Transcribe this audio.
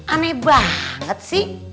aneh banget sih